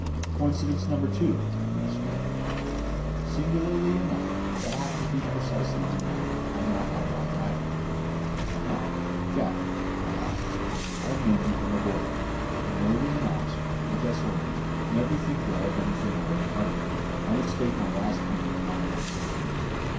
"Coincidence number two!" he exclaimed. "Singularly enough, that happens to be precisely the amount I now have lying idle. Now, Jack, my lad, I have known you from a boy; and, though it is an axiom with us lawyers never to think well of anything or anybody, I would stake my last penny upon your integrity.